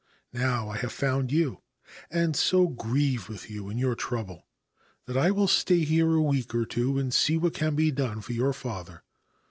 Now I have found you, and so grieve with you in your trouble that I will stay here a week or two and see what can be done for your father.